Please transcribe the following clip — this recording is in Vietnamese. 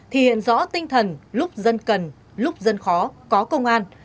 thì hiện rõ tinh thần lúc dân cần lúc dân khó có công an